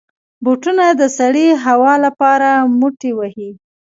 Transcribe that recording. بوټونه د سړې هوا لپاره موټی وي.